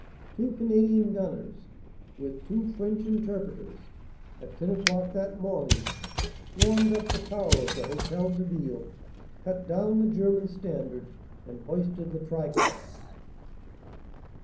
Two Canadian gunners, with two French interpreters, at ten o clock that morning swarmed up the tower of the Hotel de Ville, cut down the German standard, and hoisted the tricolor.